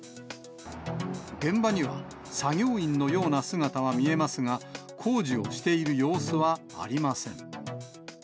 現場には作業員のような姿は見えますが、工事をしている様子はありません。